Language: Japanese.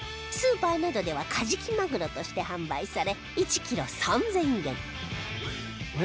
スーパーなどではカジキマグロとして販売され１キロ３０００円